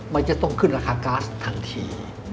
มันจะต้องขึ้นราคาก๊าซทันที